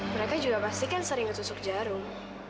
mereka juga pasti kan sering tusuk jarum